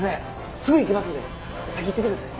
すぐ行きますんで先行っててください。